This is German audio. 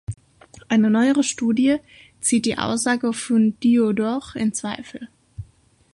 Eine neuere Studie zieht die Aussage von Diodor in Zweifel.